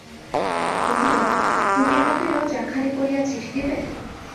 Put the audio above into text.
কহিল, তুমি আমাকে রোজ একখানি করিয়া চিঠি দিবে?